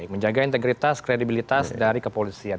menjaga integritas kredibilitas dari kepolisian